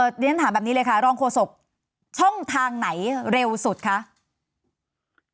อ่อตังเช่นฐานแบบนี้เลยค่ะร่องโฆษกช่องทางไหนเร็วสุดค่ะ